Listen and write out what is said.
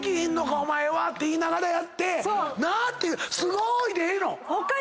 お前は」って言いながらやってなーって「すごーい」でええの？